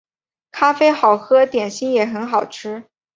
咖啡好喝，点心也很好吃